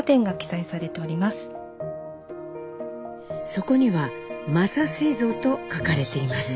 そこには「柾製造」と書かれています。